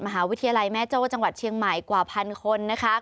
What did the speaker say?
มหาวิทยาลัยแม่โจ้จังหวัดเชียงใหม่กว่าพันคนนะคะ